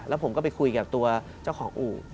แล้วผมก็ไปคุยกับตัวเจ้าของอู่